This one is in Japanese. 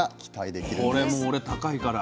あっこれも俺高いから。